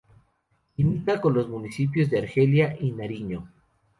Limita con los municipios de Argelia y Nariño.